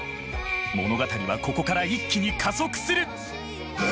物語はここから一気に加速する。